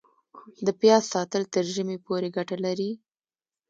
د پیاز ساتل تر ژمي پورې ګټه لري؟